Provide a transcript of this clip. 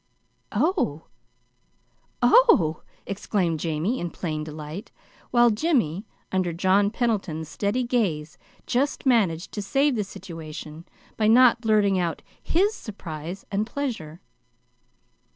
"Oh! Oh h!" exclaimed Jamie, in plain delight, while Jimmy, under John Pendleton's steady gaze just managed to save the situation by not blurting out HIS surprise and pleasure.